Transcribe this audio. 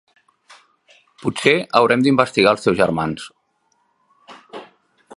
Potser haurem d'investigar els teus germans.